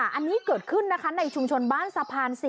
อันนี้เกิดขึ้นนะคะในชุมชนบ้านสะพาน๔